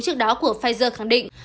trước đó của pfizer khẳng định